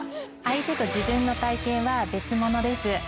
相手と自分の体験は別物です。